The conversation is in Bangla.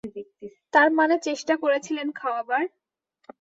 তার মানে চেষ্টা করেছিলেন খাওয়াবার?